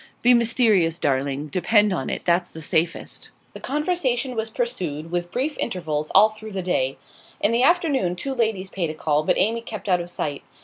Be mysterious, darling; depend upon it, that's the safest.' The conversation was pursued, with brief intervals, all through the day. In the afternoon two ladies paid a call, but Amy kept out of sight.